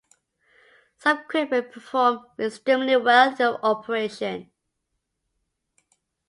Some equipment performed extremely well in the operation.